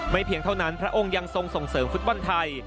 เพียงเท่านั้นพระองค์ยังทรงส่งเสริมฟุตบอลไทย